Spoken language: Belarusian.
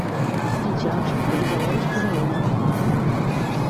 Дзіця шпіталізавалі з пераломам.